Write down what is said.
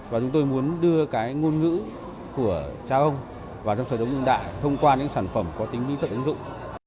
và chúng tôi muốn đưa cái ngôn ngữ của cha ông vào trong sở đồng vương đại thông qua những sản phẩm có tính bí thật ứng dụng